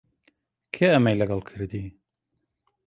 کێ ئەمەی لەگەڵ کردی؟